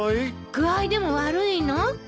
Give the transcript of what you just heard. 具合でも悪いの？